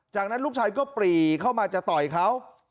จากนั้นลูกชายก็ปรีเข้ามาจะต่อยเขา